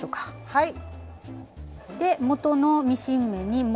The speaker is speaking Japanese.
はい。